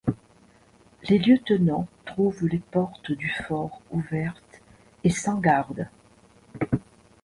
Les lieutenants trouvent les portes du fort ouvertes et sans gardes.